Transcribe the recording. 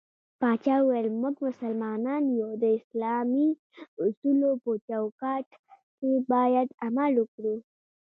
پاچا وويل: موږ مسلمانان يو د اسلامي اصولو په چوکات کې بايد عمل وکړو.